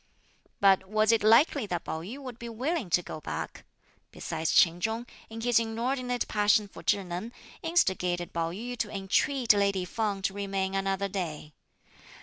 But was it likely that Pao yü would be willing to go back? Besides Ch'in Chung, in his inordinate passion for Chih Neng, instigated Pao yü to entreat lady Feng to remain another day.